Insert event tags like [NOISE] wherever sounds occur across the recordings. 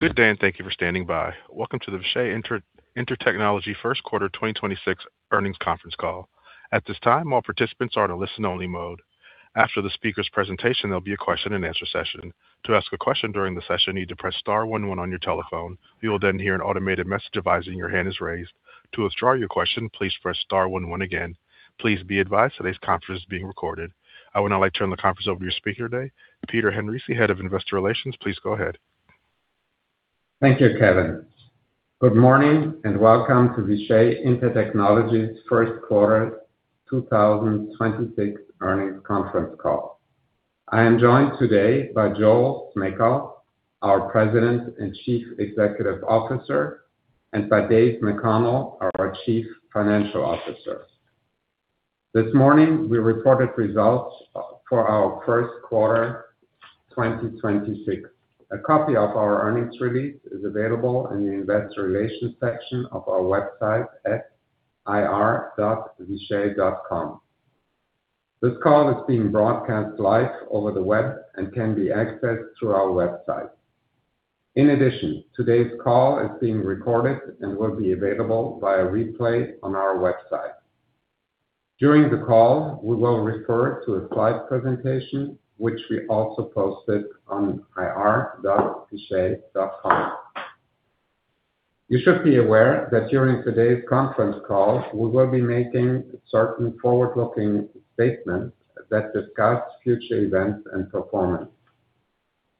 Good day, and thank you for standing by. Welcome to the Vishay Intertechnology first quarter 2026 earnings conference call. At this time, all participants are in a listen-only mode. After the speaker's presentation, there will be a question-and-answer session. To ask a question during the session, you need to press star one one on your telephone. You will then hear an automated message advising your hand is raised. To withdraw your question, please press star one one again. Please be advised today's conference is being recorded. I would now like to turn the conference over to your speaker today, Peter Henrici, Head of Investor Relations. Please go ahead. Thank you, Kevin. Good morning, and welcome to Vishay Intertechnology's first quarter 2026 earnings conference call. I am joined today by Joel Smejkal, our President and Chief Executive Officer, and by Dave McConnell, our Chief Financial Officer. This morning, we reported results for our first quarter 2026. A copy of our earnings release is available in the investor relations section of our website at ir.vishay.com. This call is being broadcast live over the web and can be accessed through our website. In addition, today's call is being recorded and will be available via replay on our website. During the call, we will refer to a slide presentation, which we also posted on ir.vishay.com. You should be aware that during today's conference call, we will be making certain forward-looking statements that discuss future events and performance.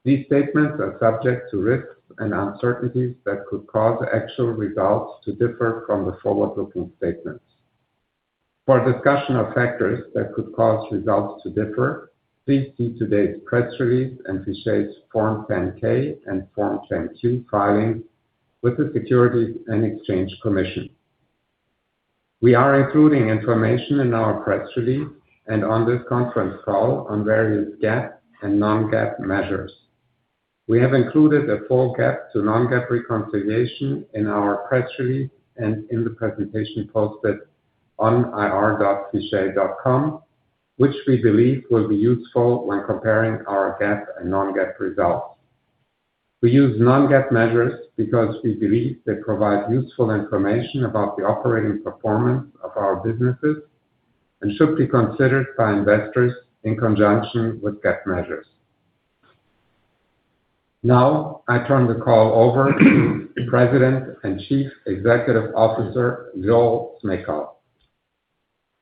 These statements are subject to risks and uncertainties that could cause actual results to differ from the forward-looking statements. For a discussion of factors that could cause results to differ, please see today's press release and Vishay's Form 10-K and Form 10-Q filings with the Securities and Exchange Commission. We are including information in our press release and on this conference call on various GAAP and non-GAAP measures. We have included a full GAAP to non-GAAP reconciliation in our press release and in the presentation posted on ir.vishay.com, which we believe will be useful when comparing our GAAP and non-GAAP results. We use non-GAAP measures because we believe they provide useful information about the operating performance of our businesses and should be considered by investors in conjunction with GAAP measures. Now I turn the call over to President and Chief Executive Officer, Joel Smejkal.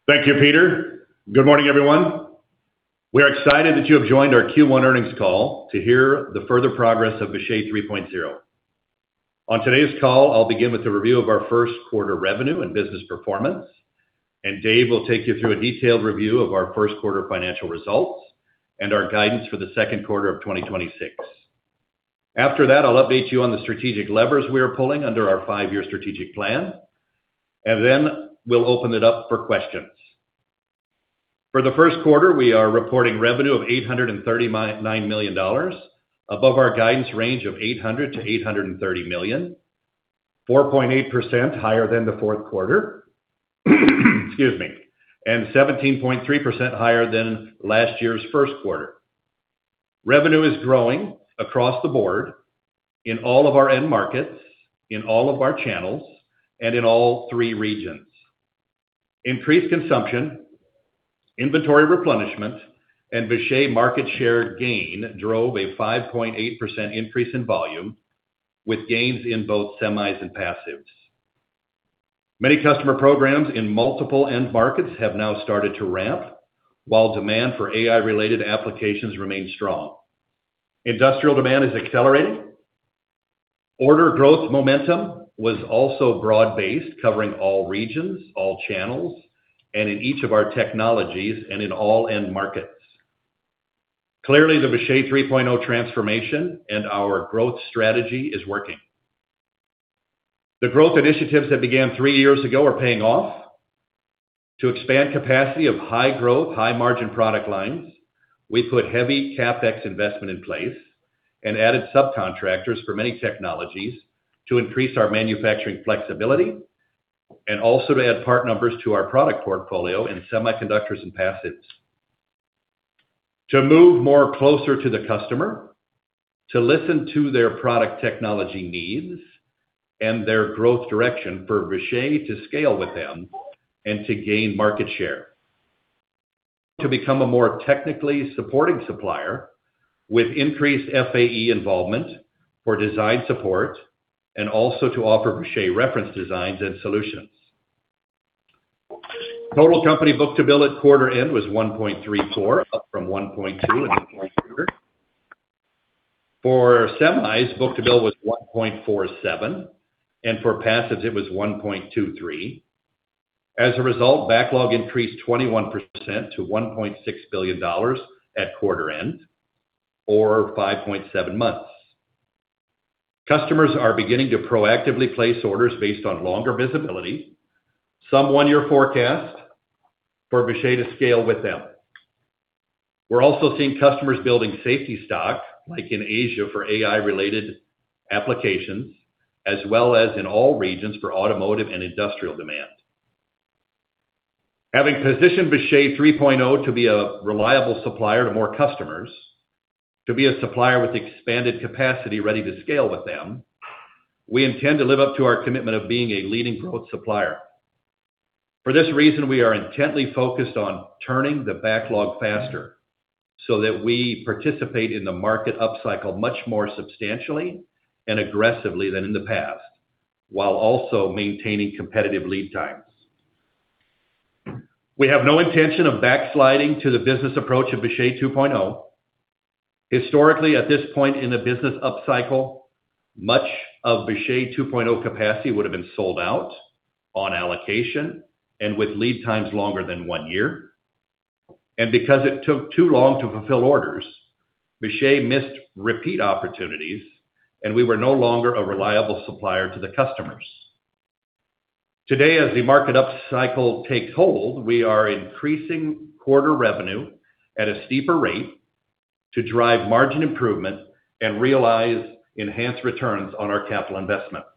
Thank you, Peter. Good morning, everyone. We are excited that you have joined our Q1 earnings call to hear the further progress of Vishay 3.0. On today's call, I'll begin with a review of our first quarter revenue and business performance. Dave will take you through a detailed review of our first quarter financial results and our guidance for the second quarter of 2026. After that, I'll update you on the strategic levers we are pulling under our 5-year strategic plan. Then we'll open it up for questions. For the first quarter, we are reporting revenue of $839 million, above our guidance range of $800 million-$830 million, 4.8% higher than the fourth quarter, excuse me, 17.3% higher than last year's first quarter. Revenue is growing across the board in all of our end markets, in all of our channels, and in all three regions. Increased consumption, inventory replenishment, and Vishay market share gain drove a 5.8% increase in volume, with gains in both semis and passives. Many customer programs in multiple end markets have now started to ramp, while demand for AI-related applications remains strong. Industrial demand is accelerating. Order growth momentum was also broad-based, covering all regions, all channels, and in each of our technologies, and in all end markets. Clearly, the Vishay 3.0 transformation and our growth strategy is working. The growth initiatives that began three years ago are paying off. To expand capacity of high growth, high margin product lines, we put heavy CapEx investment in place and added subcontractors for many technologies to increase our manufacturing flexibility, and also to add part numbers to our product portfolio in semiconductors and passives. To move more closer to the customer, to listen to their product technology needs and their growth direction for Vishay to scale with them and to gain market share. To become a more technically supporting supplier with increased FAE involvement for design support, and also to offer Vishay reference designs and solutions. Total company book-to-bill at quarter end was 1.34, up from 1.2 in the fourth quarter. For semis, book-to-bill was 1.47, and for passives it was 1.23. As a result, backlog increased 21% to $1.6 billion at quarter-end or 5.7 months. Customers are beginning to proactively place orders based on longer visibility, some one-year forecast for Vishay to scale with them. We're also seeing customers building safety stock, like in Asia for AI-related applications, as well as in all regions for automotive and industrial demand. Having positioned Vishay 3.0 to be a reliable supplier to more customers, to be a supplier with expanded capacity ready to scale with them, we intend to live up to our commitment of being a leading growth supplier. For this reason, we are intently focused on turning the backlog faster so that we participate in the market upcycle much more substantially and aggressively than in the past, while also maintaining competitive lead times. We have no intention of backsliding to the business approach of Vishay 2.0. Historically, at this point in the business upcycle, much of Vishay 2.0 capacity would have been sold out on allocation and with lead times longer than one year. Because it took too long to fulfill orders, Vishay missed repeat opportunities, and we were no longer a reliable supplier to the customers. Today, as the market upcycle takes hold, we are increasing quarter revenue at a steeper rate to drive margin improvement and realize enhanced returns on our capital investments.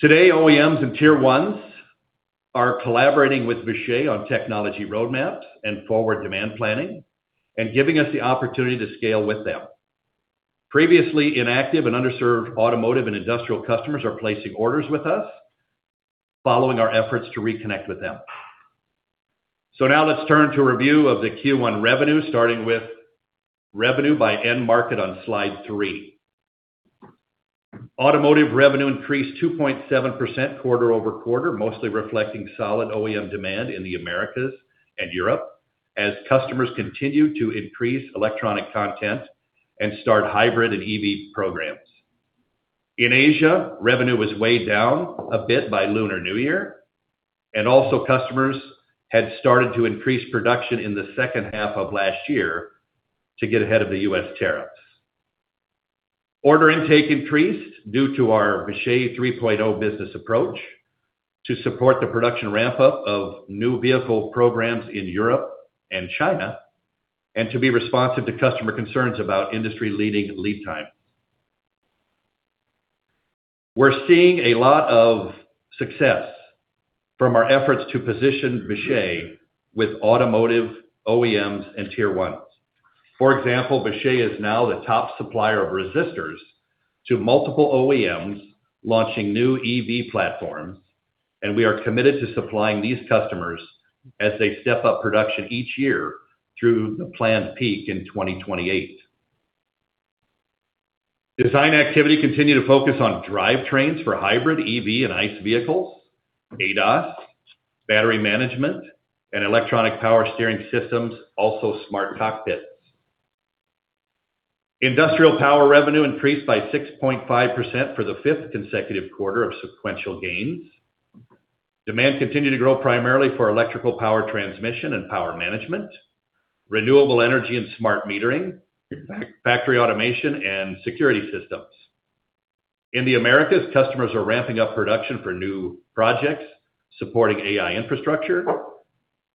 Today, OEMs and Tier ones are collaborating with Vishay on technology roadmap and forward demand planning and giving us the opportunity to scale with them. Previously inactive and underserved automotive and industrial customers are placing orders with us following our efforts to reconnect with them. Now let's turn to a review of the Q1 revenue, starting with revenue by end market on slide three. Automotive revenue increased 2.7% quarter-over-quarter, mostly reflecting solid OEM demand in the Americas and Europe as customers continue to increase electronic content and start hybrid and EV programs. In Asia, revenue was way down a bit by Lunar New Year, and also customers had started to increase production in the second half of last year to get ahead of the U.S. tariffs. Order intake increased due to our Vishay 3.0 business approach to support the production ramp-up of new vehicle programs in Europe and China and to be responsive to customer concerns about industry-leading lead time. We're seeing a lot of success from our efforts to position Vishay with automotive OEMs and Tier ones.. For example, Vishay is now the top supplier of resistors to multiple OEMs launching new EV platforms, and we are committed to supplying these customers as they step up production each year through the planned peak in 2028. Design activity continue to focus on drivetrains for hybrid EV and ICE vehicles, ADAS, battery management, and electronic power steering systems, also smart cockpits. Industrial power revenue increased by 6.5% for the fifth consecutive quarter of sequential gains. Demand continued to grow primarily for electrical power transmission and power management, renewable energy and smart metering, factory automation, and security systems. In the Americas, customers are ramping up production for new projects supporting AI infrastructure,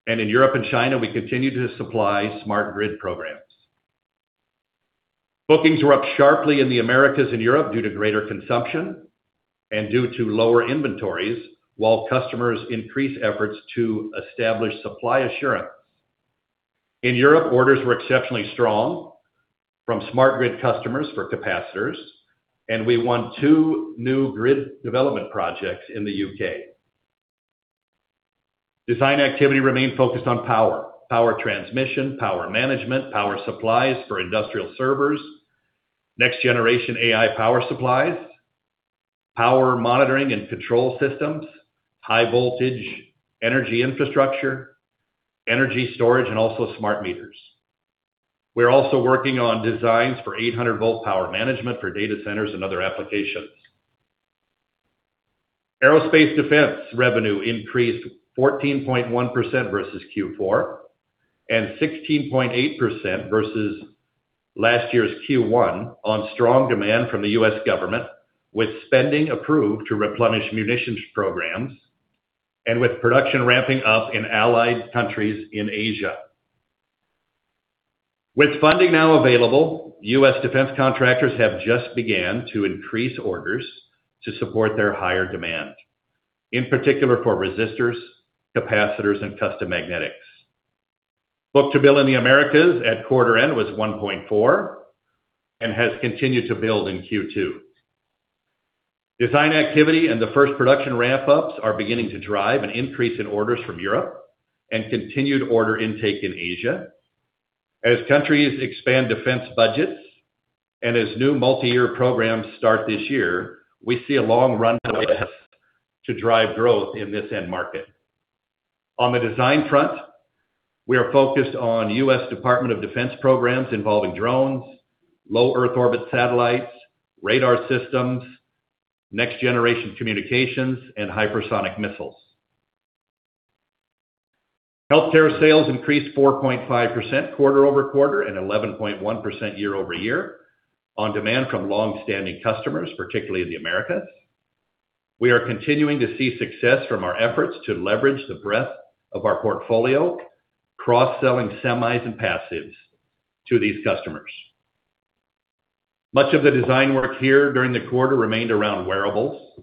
and in Europe and China, we continue to supply smart grid programs. Bookings were up sharply in the Americas and Europe due to greater consumption and due to lower inventories, while customers increase efforts to establish supply assurance. In Europe, orders were exceptionally strong from smart grid customers for capacitors, and we won two new grid development projects in the U.K. Design activity remained focused on power transmission, power management, power supplies for industrial servers, next-generation AI power supplies, power monitoring and control systems, high-voltage energy infrastructure, energy storage, and also smart meters. We're also working on designs for 800 volt power management for data centers and other applications. Aerospace defense revenue increased 14.1% versus Q4 and 16.8% versus last year's Q1 on strong demand from the U.S. government, with spending approved to replenish munitions programs and with production ramping up in allied countries in Asia. With funding now available, U.S. defense contractors have just began to increase orders to support their higher demand, in particular for resistors, capacitors, and custom magnetics. Book-to-bill in the Americas at quarter end was 1.4 and has continued to build in Q2. Design activity and the first production ramp-ups are beginning to drive an increase in orders from Europe and continued order intake in Asia. As countries expand defense budgets and as new multi-year programs start this year, we see a long runway ahead to drive growth in this end market. On the design front, we are focused on U.S. Department of Defense programs involving drones, low Earth orbit satellites, radar systems, next-generation communications, and hypersonic missiles. Healthcare sales increased 4.5% quarter-over-quarter and 11.1% year-over-year on demand from long-standing customers, particularly in the Americas. We are continuing to see success from our efforts to leverage the breadth of our portfolio, cross-selling semis and passives to these customers. Much of the design work here during the quarter remained around wearables,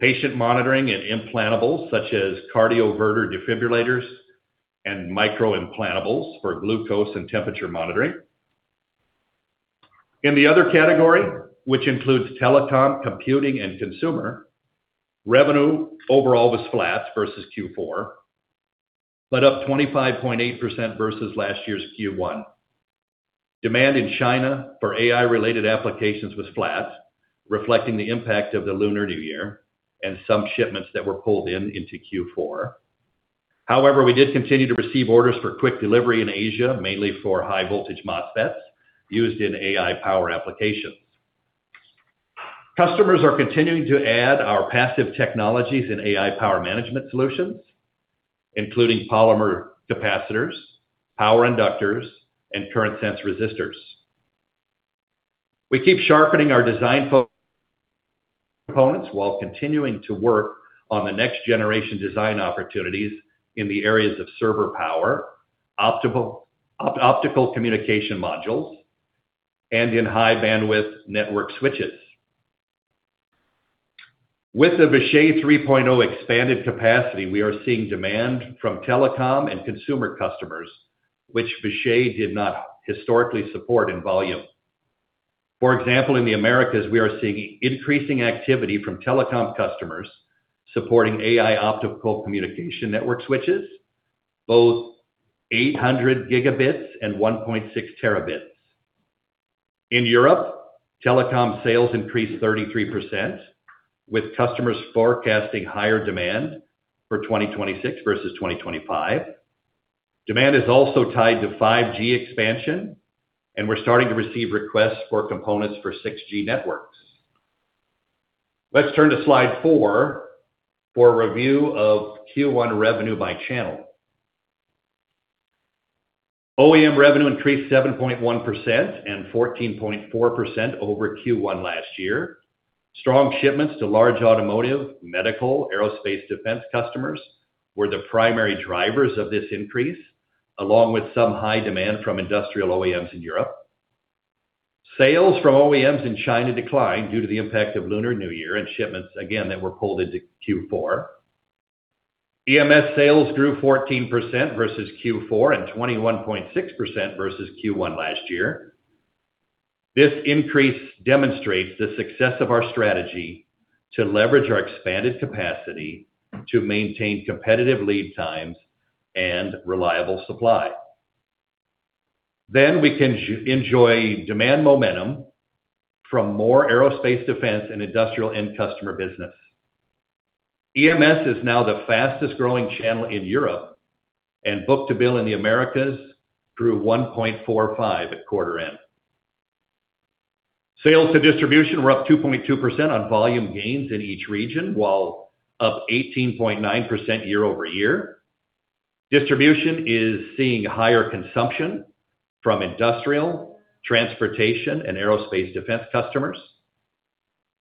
patient monitoring and implantables, such as cardioverter defibrillators and micro implantables for glucose and temperature monitoring. In the other category, which includes telecom, computing, and consumer, revenue overall was flat versus Q4, but up 25.8% versus last year's Q1. Demand in China for AI-related applications was flat, reflecting the impact of the Lunar New Year and some shipments that were pulled in into Q4. We did continue to receive orders for quick delivery in Asia, mainly for high voltage MOSFETs used in AI power applications. Customers are continuing to add our passive technologies and AI power management solutions, including polymer capacitors, power inductors, and current sense resistors. We keep sharpening our design components while continuing to work on the next generation design opportunities in the areas of server power, optical communication modules, and in high bandwidth network switches. With the Vishay 3.0 expanded capacity, we are seeing demand from telecom and consumer customers, which Vishay did not historically support in volume. For example, in the Americas, we are seeing increasing activity from telecom customers supporting AI optical communication network switches, both 800 Gb and 1.6 Tb. In Europe, telecom sales increased 33%, with customers forecasting higher demand for 2026 versus 2025. Demand is also tied to 5G expansion, and we're starting to receive requests for components for 6G networks. Let's turn to slide four for a review of Q1 revenue by channel. OEM revenue increased 7.1% and 14.4% over Q1 last year. Strong shipments to large automotive, medical, aerospace defense customers were the primary drivers of this increase, along with some high demand from industrial OEMs in Europe. Sales from OEMs in China declined due to the impact of Lunar New Year and shipments, again, that were pulled into Q4. EMS sales grew 14% versus Q4, 21.6% versus Q1 last year. This increase demonstrates the success of our strategy to leverage our expanded capacity to maintain competitive lead times and reliable supply. We can enjoy demand momentum from more aerospace defense and industrial end customer business. EMS is now the fastest growing channel in Europe, book-to-bill in the Americas grew 1.45 at quarter-end. Sales to distribution were up 2.2% on volume gains in each region, while up 18.9% year-over-year. Distribution is seeing higher consumption from industrial, transportation, and aerospace defense customers.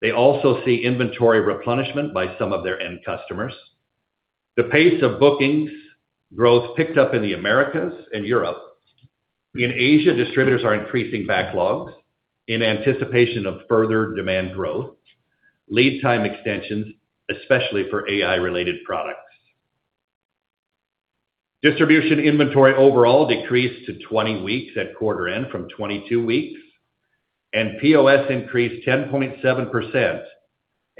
They also see inventory replenishment by some of their end customers. The pace of bookings growth picked up in the Americas and Europe. In Asia, distributors are increasing backlogs in anticipation of further demand growth, lead time extensions, especially for AI-related products. Distribution inventory overall decreased to 20 weeks at quarter end from 22 weeks, and POS increased 10.7%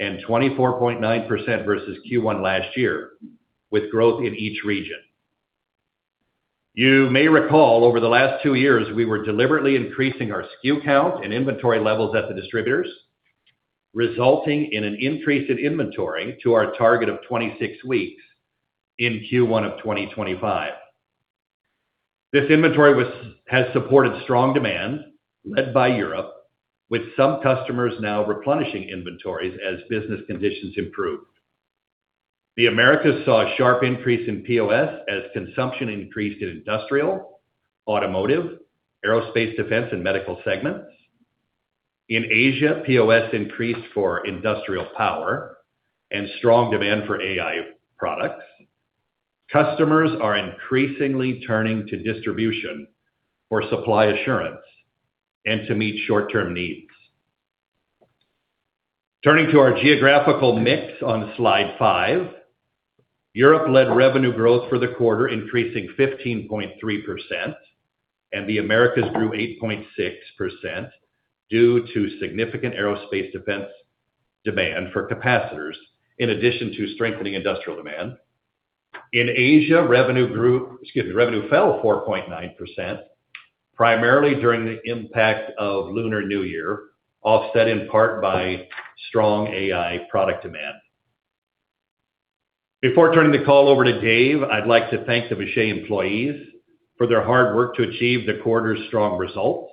and 24.9% versus Q1 last year, with growth in each region. You may recall over the last two years, we were deliberately increasing our SKU count and inventory levels at the distributors, resulting in an increase in inventory to our target of 26 weeks in Q1 of 2025. This inventory has supported strong demand led by Europe, with some customers now replenishing inventories as business conditions improve. The Americas saw a sharp increase in POS as consumption increased in industrial, automotive, aerospace defense, and medical segments. In Asia, POS increased for industrial power and strong demand for AI products. Customers are increasingly turning to distribution for supply assurance and to meet short-term needs. Turning to our geographical mix on slide five, Europe led revenue growth for the quarter, increasing 15.3%, and the Americas grew 8.6% due to significant aerospace defense demand for capacitors, in addition to strengthening industrial demand. In Asia, revenue fell 4.9%, primarily during the impact of Lunar New Year, offset in part by strong AI product demand. Before turning the call over to Dave, I'd like to thank the Vishay employees for their hard work to achieve the quarter's strong results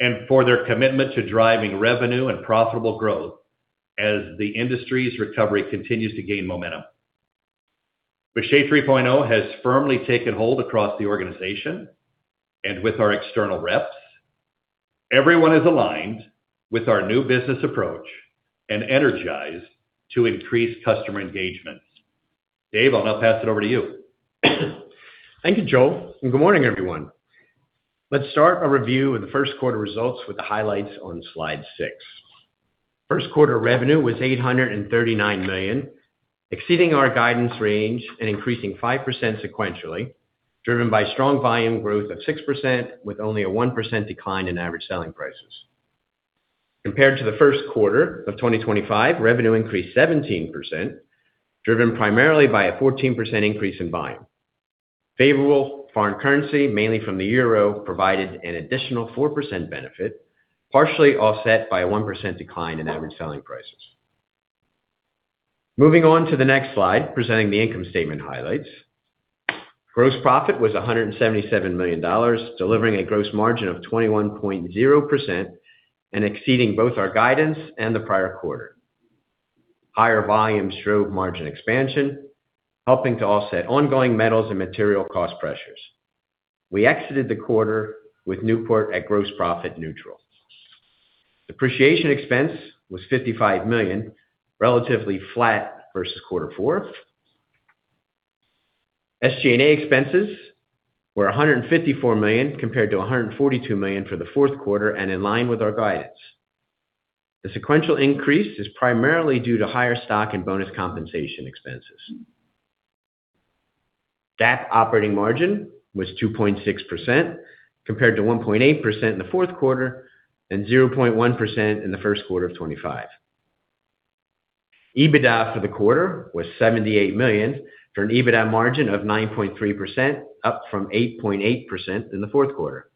and for their commitment to driving revenue and profitable growth as the industry's recovery continues to gain momentum. Vishay 3.0 has firmly taken hold across the organization and with our external reps. Everyone is aligned with our new business approach and energized to increase customer engagement. Dave, I'll now pass it over to you. Thank you, Joel, and good morning, everyone. Let's start our review of the first quarter results with the highlights on slide six. First quarter revenue was $839 million, exceeding our guidance range and increasing 5% sequentially, driven by strong volume growth of 6% with only a 1% decline in average selling prices. Compared to the first quarter of 2025, revenue increased 17%, driven primarily by a 14% increase in volume. Favorable foreign currency, mainly from the euro, provided an additional 4% benefit, partially offset by a 1% decline in average selling prices. Moving on to the next slide, presenting the income statement highlights. Gross profit was $177 million, delivering a gross margin of 21.0% and exceeding both our guidance and the prior quarter. Higher volumes drove margin expansion, helping to offset ongoing metals and material cost pressures. We exited the quarter with Newport at gross profit neutral. Depreciation expense was $55 million, relatively flat versus quarter four. SG&A expenses were $154 million compared to $142 million for the fourth quarter and in line with our guidance. The sequential increase is primarily due to higher stock and bonus compensation expenses. GAAP operating margin was 2.6% compared to 1.8% in the fourth quarter and 0.1% in the first quarter of 2025. EBITDA for the quarter was $78 million for an EBITDA margin of 9.3%, up from 8.8% in the fourth quarter.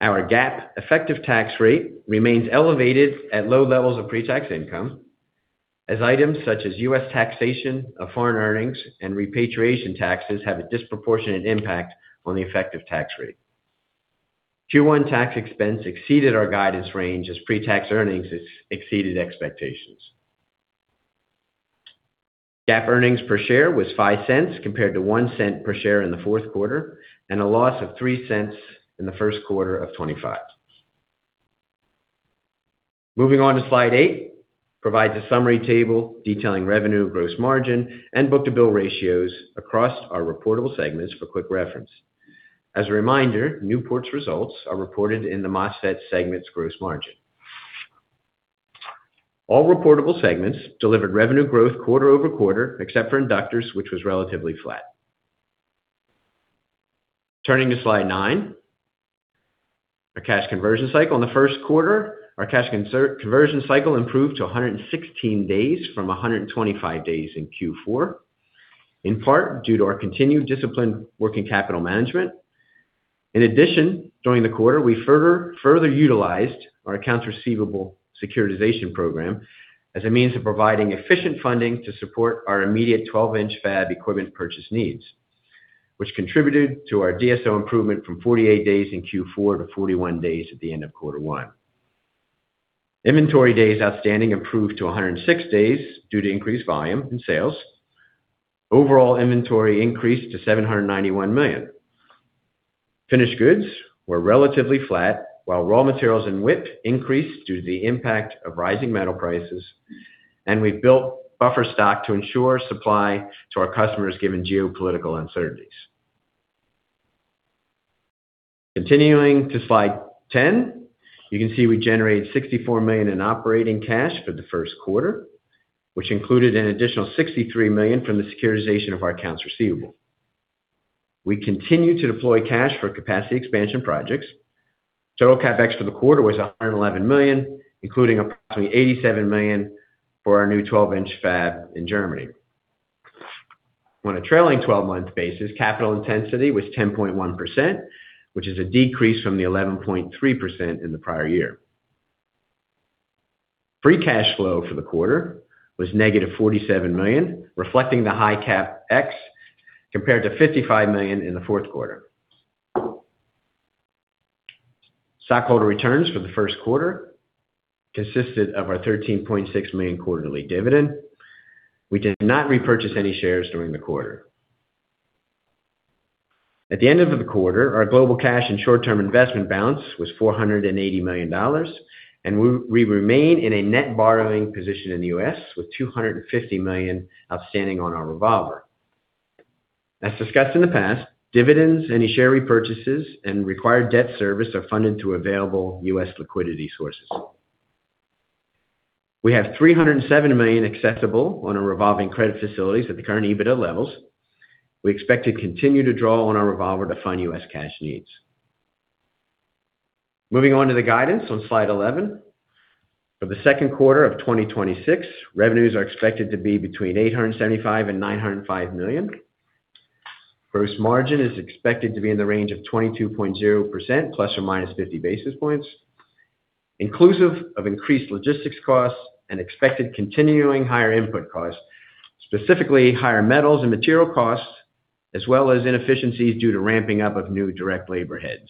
Our GAAP effective tax rate remains elevated at low levels of pre-tax income as items such as U.S. taxation of foreign earnings and repatriation taxes have a disproportionate impact on the effective tax rate. Q1 tax expense exceeded our guidance range as pre-tax earnings has exceeded expectations. GAAP earnings per share was $0.05 compared to $0.01 per share in the fourth quarter, a loss of $0.03 in the first quarter of 2025. Moving on to slide eight provides a summary table detailing revenue, gross margin, and book-to-bill ratios across our reportable segments for quick reference. As a reminder, Newport's results are reported in the MOSFET segment's gross margin. All reportable segments delivered revenue growth quarter-over-quarter, except for inductors, which was relatively flat. Turning to slide nine, our cash conversion cycle. In the first quarter, our cash conversion cycle improved to 116 days from 125 days in Q4, in part due to our continued disciplined working capital management. During the quarter, we further utilized our accounts receivable securitization program as a means of providing efficient funding to support our immediate 12-inch fab equipment purchase needs, which contributed to our DSO improvement from 48 days in Q4 to 41 days at the end of quarter one. Inventory days outstanding improved to 106 days due to increased volume in sales. Overall inventory increased to $791 million. Finished goods were relatively flat while raw materials and WIP increased due to the impact of rising metal prices. We built buffer stock to ensure supply to our customers given geopolitical uncertainties. Continuing to slide 10, you can see we generated $64 million in operating cash for the first quarter, which included an additional $63 million from the securitization of our accounts receivable. We continue to deploy cash for capacity expansion projects. Total CapEx for the quarter was $111 million, including approximately $87 million for our new 12-inch fab in Germany. On a trailing 12-month basis, capital intensity was 10.1%, which is a decrease from the 11.3% in the prior year. Free cash flow for the quarter was $-47 million, reflecting the high CapEx compared to $55 million in the fourth quarter. Shareholder returns for the first quarter consisted of our $13.6 million quarterly dividend. We did not repurchase any shares during the quarter. At the end of the quarter, our global cash and short-term investment balance was $480 million, and we remain in a net borrowing position in the U.S. with $250 million outstanding on our revolver. As discussed in the past, dividends, any share repurchases, and required debt service are funded through available U.S. liquidity sources. We have $370 million accessible on our revolving credit facilities at the current EBITDA levels. We expect to continue to draw on our revolver to fund U.S. cash needs. Moving on to the guidance on slide 11. For the second quarter of 2026, revenues are expected to be between $875 million and $905 million. Gross margin is expected to be in the range of 22.0% ±50 basis points, inclusive of increased logistics costs and expected continuing higher input costs, specifically higher metals and material costs, as well as inefficiencies due to ramping up of new direct labor heads.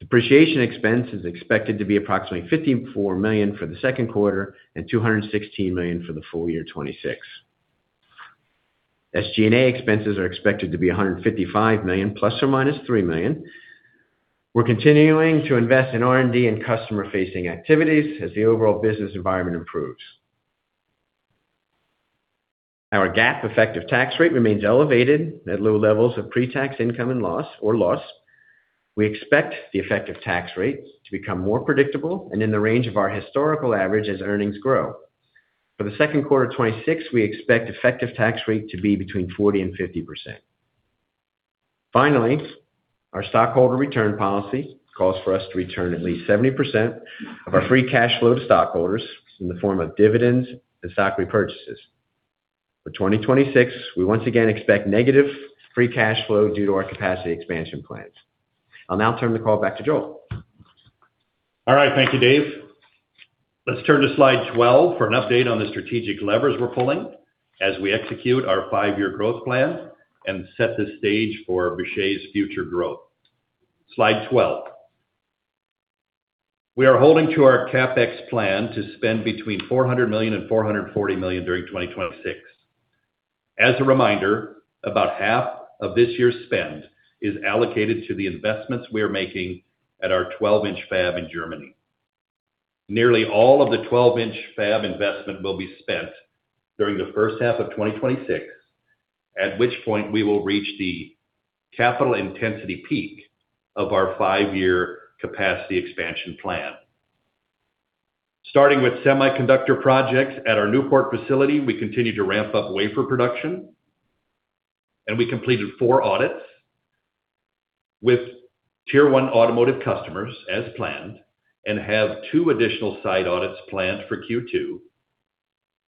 Depreciation expense is expected to be approximately $54 million for the second quarter and $216 million for the full year 2026. SG&A expenses are expected to be $155 million, ±$3 million. We're continuing to invest in R&D and customer-facing activities as the overall business environment improves. Our GAAP effective tax rate remains elevated at low levels of pre-tax income and loss or loss. We expect the effective tax rate to become more predictable and in the range of our historical average as earnings grow. For the second quarter of 2026, we expect effective tax rate to be between 40% and 50%. Finally, our stockholder return policy calls for us to return at least 70% of our free cash flow to stockholders in the form of dividends and stock repurchases. For 2026, we once again expect negative free cash flow due to our capacity expansion plans. I'll now turn the call back to Joel. All right. Thank you, Dave. Let's turn to slide 12 for an update on the strategic levers we're pulling as we execute our five-year growth plan and set the stage for Vishay's future growth. Slide 12. We are holding to our CapEx plan to spend between $400 million and $440 million during 2026. As a reminder, about half of this year's spend is allocated to the investments we are making at our 12-inch fab in Germany. Nearly all of the 12-inch fab investment will be spent during the first half of 2026, at which point we will reach the capital intensity peak of our five-year capacity expansion plan. Starting with semiconductor projects at our Newport facility, we continue to ramp up wafer production, and we completed 4 audits with Tier 1 automotive customers as planned and have two additional site audits planned for Q2.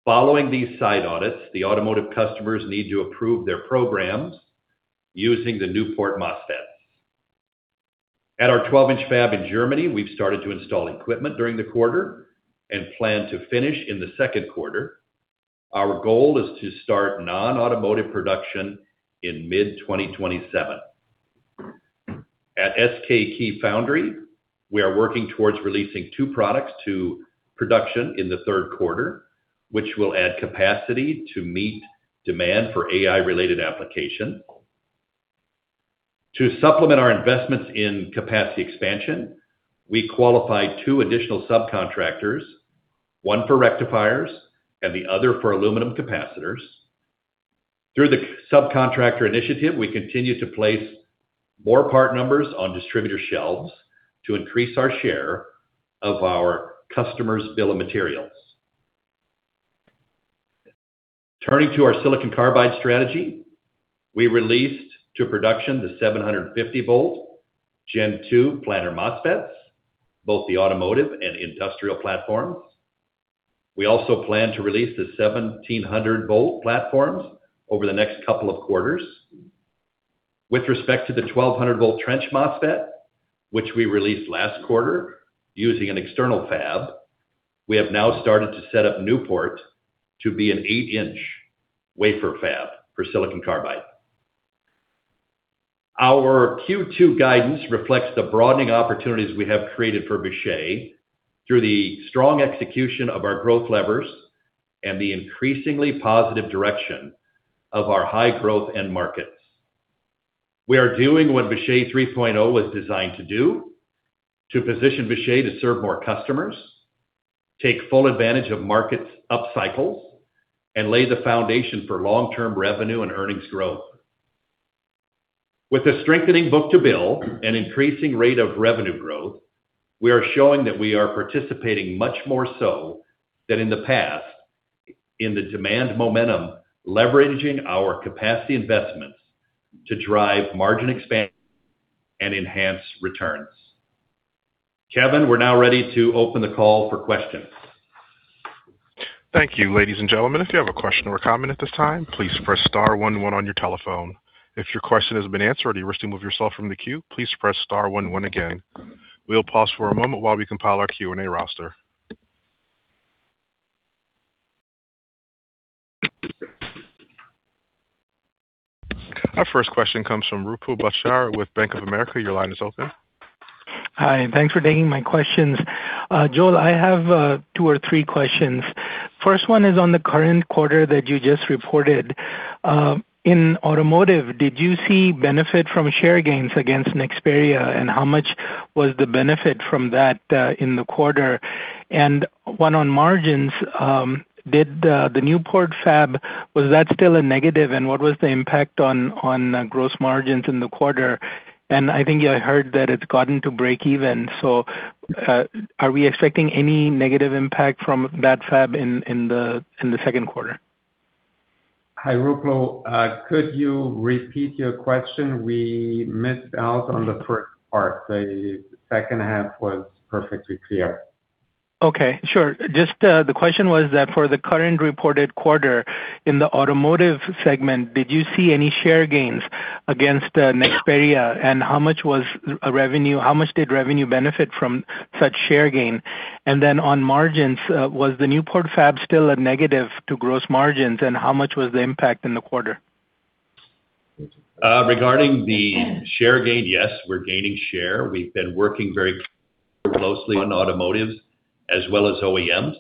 Following these site audits, the automotive customers need to approve their programs using the Newport MOSFET. At our 12-inch fab in Germany, we've started to install equipment during the quarter and plan to finish in the second quarter. Our goal is to start non-automotive production in mid-2027. At SK Keyfoundry, we are working towards releasing two products to production in the third quarter, which will add capacity to meet demand for AI-related application. To supplement our investments in capacity expansion, we qualified two additional subcontractors, one for rectifiers and the other for aluminum capacitors. Through the subcontractor initiative, we continue to place more part numbers on distributor shelves to increase our share of our customers' bill of materials. Turning to our silicon carbide strategy, we released to production the 750 volt gen 2 planar MOSFETs, both the automotive and industrial platforms. We also plan to release the 1,700 volt platforms over the next couple of quarters. With respect to the 1,200 volt trench MOSFET, which we released last quarter using an external fab, we have now started to set up Newport to be an 8-inch wafer fab for silicon carbide. Our Q2 guidance reflects the broadening opportunities we have created for Vishay through the strong execution of our growth levers and the increasingly positive direction of our high growth end markets. We are doing what Vishay 3.0 was designed to do to position Vishay to serve more customers, take full advantage of markets up cycles, and lay the foundation for long-term revenue and earnings growth. With a strengthening book-to-bill and increasing rate of revenue growth, we are showing that we are participating much more so than in the past in the demand momentum, leveraging our capacity investments to drive margin expansion and enhance returns. Kevin, we're now ready to open the call for questions. Thank you ladies and gentlemen if you have questions or comments at this time please press star one. If you would like to remove your question press star one again. Please wait as we make the queue. Our first question comes from Ruplu Bhattacharya with Bank of America, your line is open. Hi, thanks for taking my questions. Joel, I have two or three questions. First one is on the current quarter that you just reported. In automotive, did you see benefit from share gains against Nexperia, and how much was the benefit from that in the quarter? One on margins, did the Newport fab, was that still a negative, and what was the impact on gross margins in the quarter? I think I heard that it's gotten to breakeven, so are we expecting any negative impact from that fab in the second quarter? Hi, Ruplu. Could you repeat your question? We missed out on the first part. The second half was perfectly clear. Okay, sure. Just, the question was that for the current reported quarter in the automotive segment, did you see any share gains against Nexperia? How much did revenue benefit from such share gain? On margins, was the Newport fab still a negative to gross margins, and how much was the impact in the quarter? Regarding the share gain, yes, we're gaining share. We've been working very closely on automotive as well as OEMs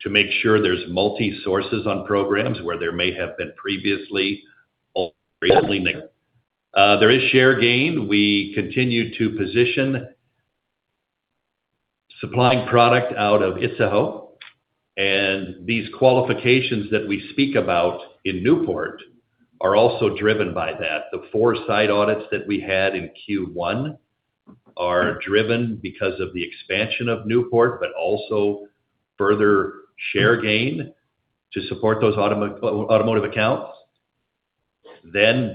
to make sure there's multi sources on programs where there may have been previously or recently there. There is share gain. We continue to position supplying product out of Itzehoe, these qualifications that we speak about in Newport are also driven by that. The four site audits that we had in Q1 are driven because of the expansion of Newport, also further share gain to support those automotive accounts.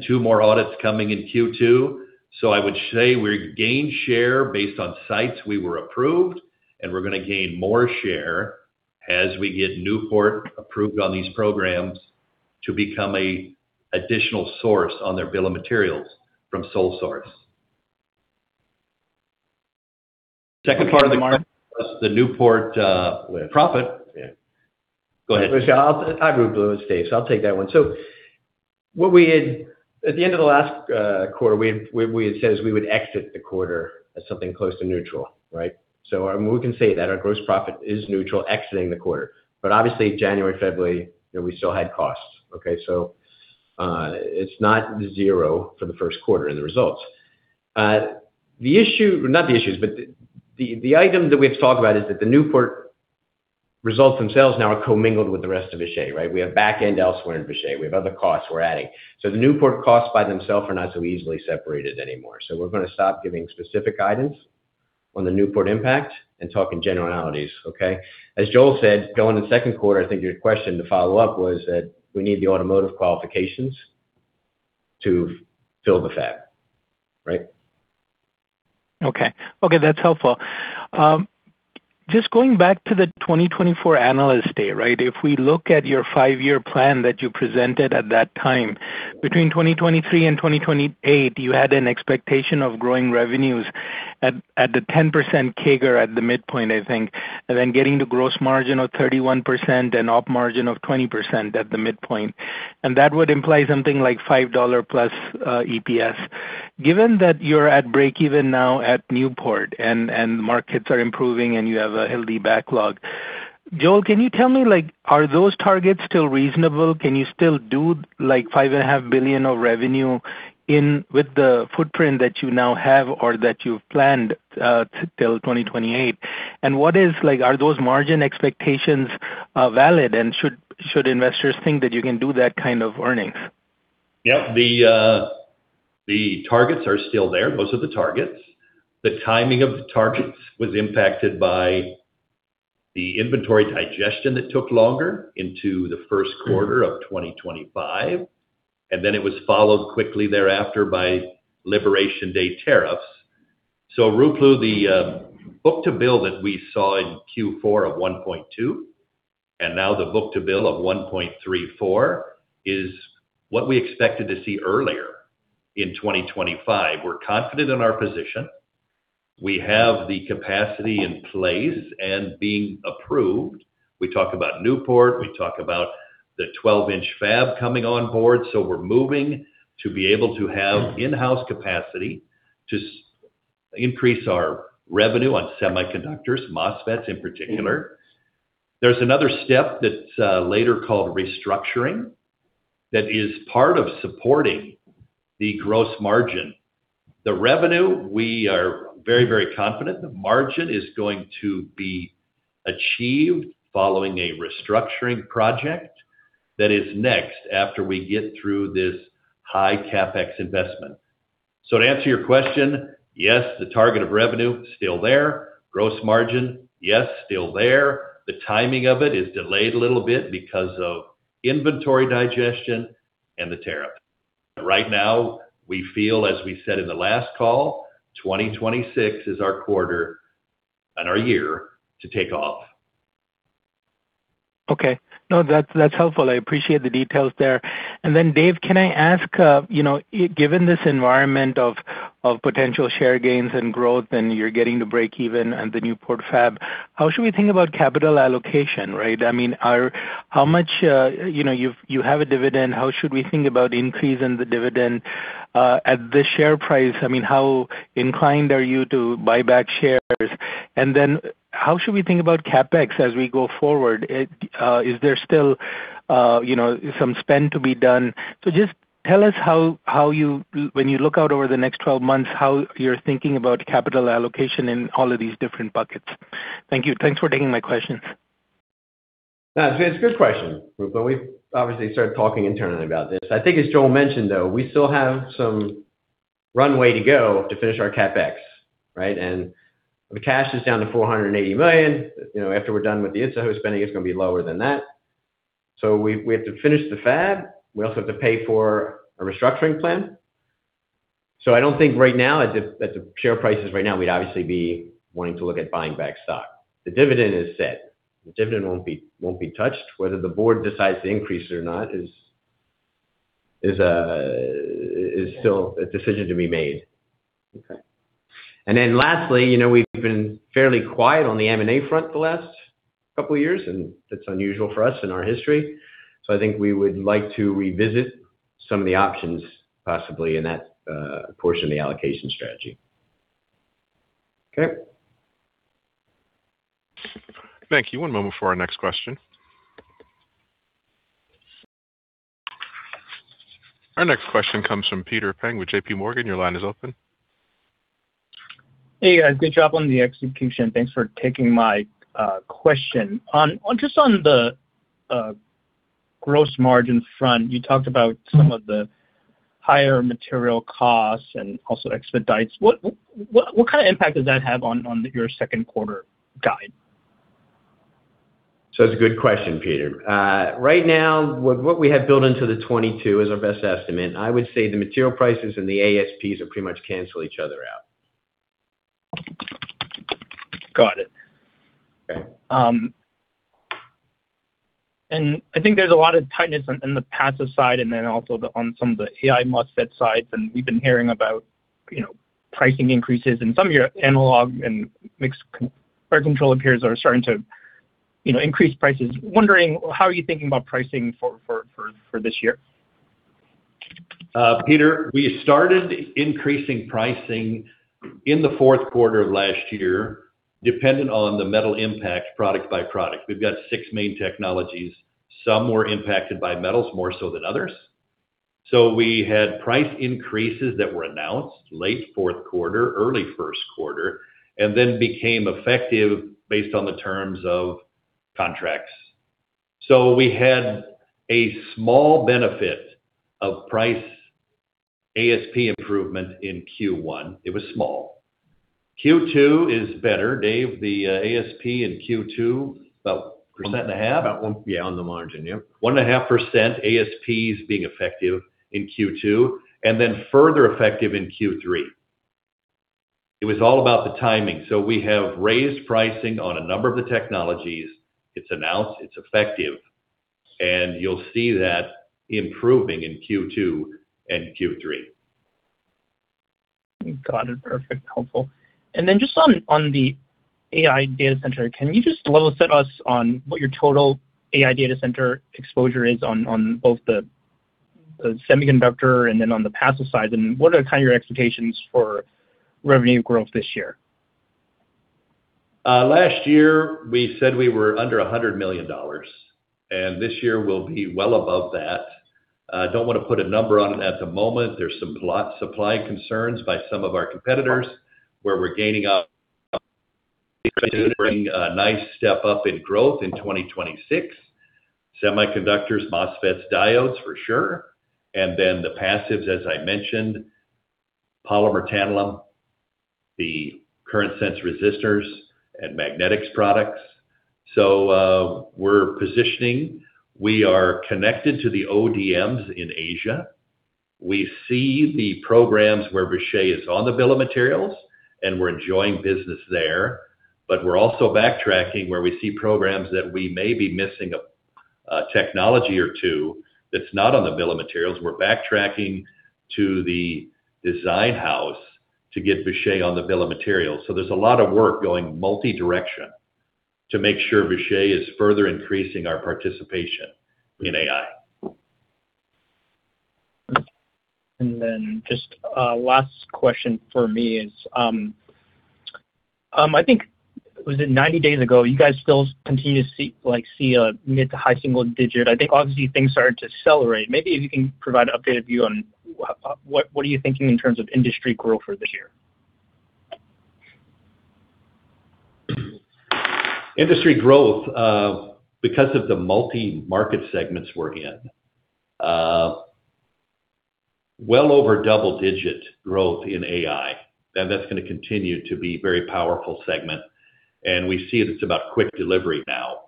Two more audits coming in Q2. I would say we gained share based on sites we were approved, and we're gonna gain more share as we get Newport approved on these programs to become a additional source on their bill of materials from sole source. Second part of the market was the Newport profit. Yeah. Go ahead. [INAUDIBLE] I'll take that one. At the end of the last quarter, we had said we would exit the quarter as something close to neutral, right? I mean, we can say that our gross profit is neutral exiting the quarter. Obviously January, February, you know, we still had costs, okay? It's not zero for the first quarter in the results. Not the issues, but the item that we have to talk about is that the Newport results themselves now are co-mingled with the rest of Vishay, right? We have back end elsewhere in Vishay. We have other costs we're adding. The Newport costs by themselves are not so easily separated anymore. We're gonna stop giving specific guidance on the Newport impact and talk in generalities, okay? As Joel said, going into second quarter, I think your question to follow up was that we need the automotive qualifications to fill the fab, right? Okay, that's helpful. Just going back to the 2024 Analyst Day, right? If we look at your five-year plan that you presented at that time, between 2023 and 2028, you had an expectation of growing revenues at the 10% CAGR at the midpoint, I think, and then getting the gross margin of 31% and op margin of 20% at the midpoint. That would imply something like $5 plus EPS. Given that you're at break even now at Newport and markets are improving and you have a healthy backlog, Joel, can you tell me, like, are those targets still reasonable? Can you still do like $5.5 billion of revenue with the footprint that you now have or that you've planned till 2028? What is Like, are those margin expectations, valid, and should investors think that you can do that kind of earnings? The targets are still there, most of the targets. The timing of the targets was impacted by the inventory digestion that took longer into the first quarter of 2025, and then it was followed quickly thereafter by Liberation Day tariffs. Ruplu, the book-to-bill that we saw in Q4 of 1.2, and now the book-to-bill of 1.34, is what we expected to see earlier in 2025. We're confident in our position. We have the capacity in place and being approved. We talk about Newport, we talk about the 12-inch fab coming on board, so we're moving to be able to have in-house capacity to increase our revenue on semiconductors, MOSFETs in particular. There's another step that's later called restructuring that is part of supporting the gross margin. The revenue, we are very, very confident the margin is going to be achieved following a restructuring project that is next after we get through this high CapEx investment. To answer your question, yes, the target of revenue, still there. Gross margin, yes, still there. The timing of it is delayed a little bit because of inventory digestion and the tariff. Right now, we feel, as we said in the last call, 2026 is our quarter and our year to take off. Okay. No, that's helpful. I appreciate the details there. Then Dave, can I ask, you know, given this environment of potential share gains and growth, and you're getting to break even on the Newport fab, how should we think about capital allocation, right? I mean, how much, you know, you have a dividend. How should we think about increasing the dividend at the share price? I mean, how inclined are you to buy back shares? Then how should we think about CapEx as we go forward? It is there still, you know, some spend to be done? Just tell us how you, when you look out over the next 12 months, how you're thinking about capital allocation in all of these different buckets. Thank you. Thanks for taking my questions. No, it's a good question, Ruplu. We've obviously started talking internally about this. I think as Joel mentioned, though, we still have some runway to go to finish our CapEx, right? The cash is down to $480 million. You know, after we're done with the Idaho spending, it's gonna be lower than that. We have to finish the fab. We also have to pay for a restructuring plan. I don't think right now, at the share prices right now, we'd obviously be wanting to look at buying back stock. The dividend is set. The dividend won't be touched. Whether the board decides to increase it or not is still a decision to be made. Okay. Lastly, you know, we've been fairly quiet on the M&A front the last couple years. That's unusual for us in our history. I think we would like to revisit some of the options possibly in that portion of the allocation strategy. Okay. Thank you. One moment for our next question. Our next question comes from Peter Peng with JPMorgan. Your line is open. Hey, guys. Good job on the execution. Thanks for taking my question. On Just on the gross margin front, you talked about some of the higher material costs and also expedites. What kind of impact does that have on your second quarter guide? It's a good question, Peter. Right now with what we have built into the 22 is our best estimate. I would say the material prices and the ASPs will pretty much cancel each other out. Got it. Okay. I think there's a lot of tightness in the passive side and then also on some of the AI MOSFET sides, and we've been hearing about, you know, pricing increases in some of your analog and mixed-signal power control peers are starting to, you know, increase prices. Wondering how are you thinking about pricing for this year? Peter, we started increasing pricing in the fourth quarter of last year, dependent on the metal impact product by product. We've got six main technologies. Some were impacted by metals more so than others. We had price increases that were announced late fourth quarter, early first quarter, and then became effective based on the terms of contracts. We had a small benefit of price ASP improvement in Q1. It was small. Q2 is better. Dave, the ASP in Q2, about 1.5%? On the margin, yep. 1.5% ASPs being effective in Q2, and then further effective in Q3. It was all about the timing. We have raised pricing on a number of the technologies. It's announced, it's effective, and you'll see that improving in Q2 and Q3. Got it. Perfect. Helpful. Then just on the AI data center, can you just level set us on what your total AI data center exposure is on both the semiconductor and then on the passive side? What are kind of your expectations for revenue growth this year? Last year we said we were under $100 million, this year we'll be well above that. Don't wanna put a number on it at the moment. There's some lot supply concerns by some of our competitors where we're gaining on a nice step up in growth in 2026. Semiconductors, MOSFETs, diodes for sure. The passives, as I mentioned, polymer tantalum, the current sense resistors and magnetics products. We're positioning. We are connected to the ODMs in Asia. We see the programs where Vishay is on the bill of materials, and we're enjoying business there. We're also backtracking where we see programs that we may be missing a technology or two that's not on the bill of materials. We're backtracking to the design house to get Vishay on the bill of materials. There's a lot of work going multi-direction to make sure Vishay is further increasing our participation in AI. Just a last question for me is, I think, was it 90 days ago, you guys still continue to see a mid to high single-digit. I think obviously things started to accelerate. Maybe if you can provide an updated view on what are you thinking in terms of industry growth for this year? Industry growth, because of the multi-market segments we're in, well over double-digit growth in AI. That's gonna continue to be very powerful segment. We see that it's about quick delivery now,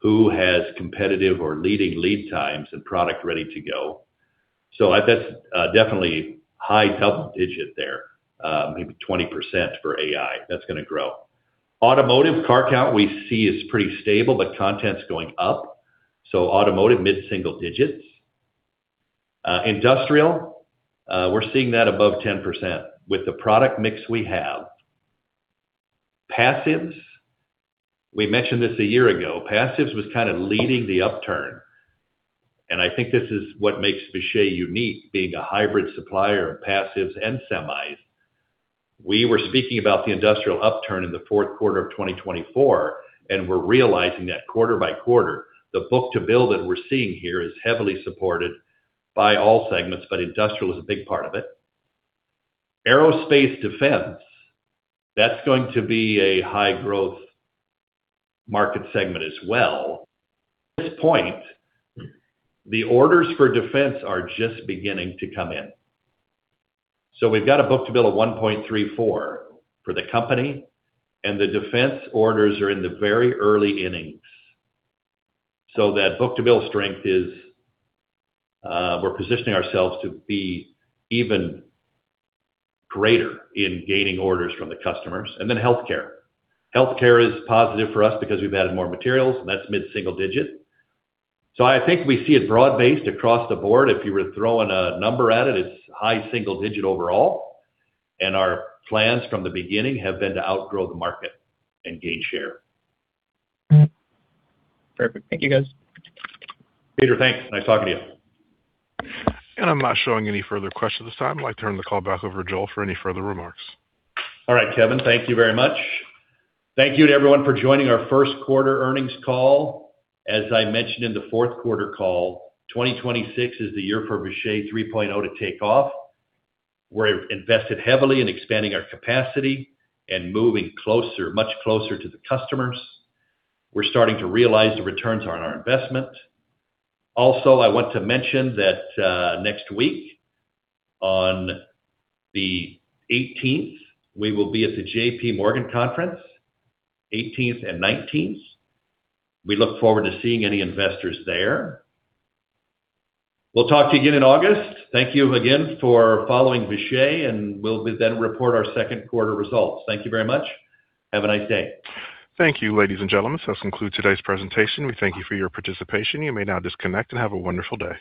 who has competitive or leading lead times and product ready to go. That's definitely high double digit there, maybe 20% for AI. That's gonna grow. Automotive car count we see is pretty stable, but content's going up. Automotive, mid-single digits. Industrial, we're seeing that above 10% with the product mix we have. Passives, we mentioned this a year ago, passives was kind of leading the upturn, and I think this is what makes Vishay unique, being a hybrid supplier of passives and semis. We were speaking about the industrial upturn in the fourth quarter of 2024. We're realizing that quarter by quarter, the book-to-bill that we're seeing here is heavily supported by all segments, but industrial is a big part of it. Aerospace defense, that's going to be a high growth market segment as well. This point, the orders for defense are just beginning to come in. We've got a book-to-bill of 1.34 for the company. The defense orders are in the very early innings. That book-to-bill strength is, we're positioning ourselves to be even greater in gaining orders from the customers. Healthcare. Healthcare is positive for us because we've added more materials. That's mid-single digit. I think we see it broad-based across the board. If you were throwing a number at it's high single digit overall. Our plans from the beginning have been to outgrow the market and gain share. Perfect. Thank you, guys. Peter, thanks. Nice talking to you. I'm not showing any further questions this time. I'd like to turn the call back over to Joel for any further remarks. All right, Kevin. Thank you very much. Thank you to everyone for joining our 1st quarter earnings call. As I mentioned in the fourth quarter call, 2026 is the year for Vishay 3.0 to take off. We're invested heavily in expanding our capacity and moving closer, much closer to the customers. We're starting to realize the returns on our investment. I want to mention that next week on the 18th, we will be at the JPMorgan conference, 18th and 19th. We look forward to seeing any investors there. We'll talk to you again in August. Thank you again for following Vishay, and we'll then report our second quarter results. Thank you very much. Have a nice day. Thank you, ladies and gentlemen. This concludes today's presentation. We thank you for your participation, you may now disconnect and have a wonderful day.